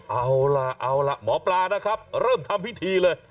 เอาล่ะเอาล่ะหมอปลานะครับเริ่มทำพิธีเลย